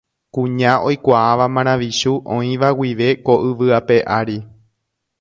Kuña oikuaáva maravichu oĩva guive ko yvy ape ári.